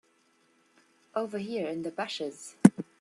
Over here in the bushes.